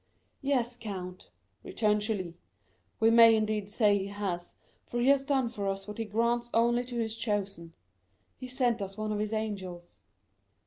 "Yes, count," returned Julie, "we may indeed say he has, for he has done for us what he grants only to his chosen; he sent us one of his angels."